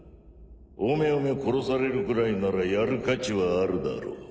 おめおめ殺されるくらいならやる価値はあるだろう。